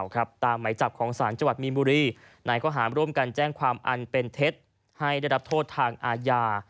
การแจ้งความอันเป็นเท็จให้ได้รับโทษทางอาญา